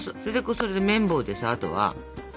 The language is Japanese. それで麺棒でさあとは。